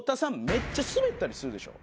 めっちゃスベったりするでしょ？